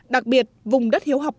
đặc biệt vùng đất hiếu học nghề